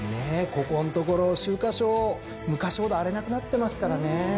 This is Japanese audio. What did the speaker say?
ここんところ秋華賞昔ほど荒れなくなってますからね。